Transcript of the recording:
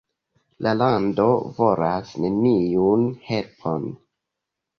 La lando volas neniun helpon.